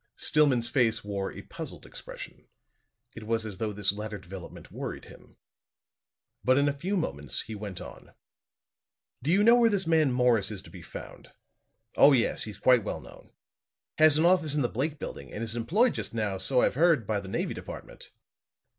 Stillman's face wore a puzzled expression; it was as though this latter development worried him. But in a few moments he went on: "Do you know where this man Morris is to be found?" "Oh, yes. He's quite well known. Has an office in the Blake Building, and is employed just now, so I've heard, by the Navy Department."